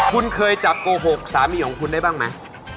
คุณเคยจับโกหกสามีของคุณได้บ้างไหม